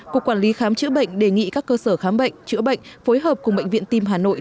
cục quản lý khám chữa bệnh đề nghị các cơ sở khám bệnh chữa bệnh phối hợp cùng bệnh viện tim hà nội